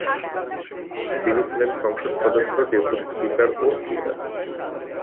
তিনি ছিলেন সংসদ সদস্য, ডেপুটি স্পীকার ও স্পীকার।